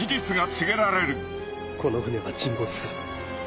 この船は沈没する。